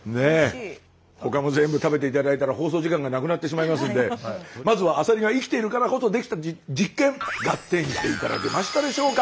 他も全部食べて頂いたら放送時間がなくなってしまいますんでまずはアサリが生きているからこそできた実験ガッテンして頂けましたでしょうか？